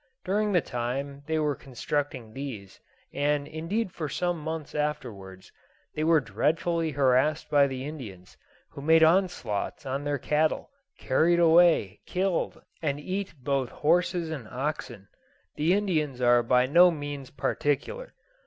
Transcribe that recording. During the time they were constructing these, and indeed for some months afterwards, they were dreadfully harassed by the Indians, who made onslaughts on their cattle, carried away, killed, and eat both horses and oxen. The Indians are by no means particular.